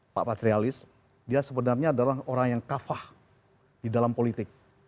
pak patrialis dia sebenarnya adalah orang yang kafah di dalam politik